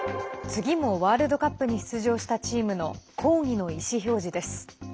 次もワールドカップに出場したチームの抗議の意思表示です。